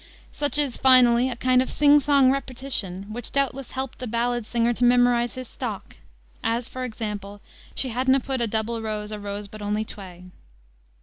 Such is, finally, a kind of sing song repetition, which doubtless helped the ballad singer to memorize his stock, as, for example, "She had'na pu'd a double rose, A rose but only twae."